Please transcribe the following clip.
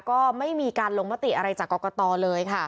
ก็ไม่มีการลงมติอะไรจากกรกตเลยค่ะ